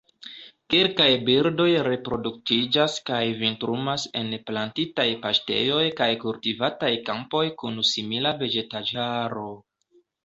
Kelkaj birdoj reproduktiĝas kaj vintrumas en plantitaj paŝtejoj kaj kultivataj kampoj kun simila vegetaĵaro.